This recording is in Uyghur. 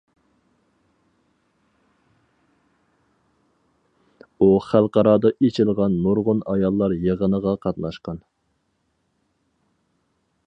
ئۇ خەلقئارادا ئېچىلغان نۇرغۇن ئاياللار يىغىنىغا قاتناشقان.